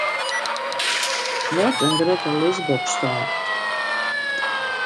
Wat in grutte lisboksstâl!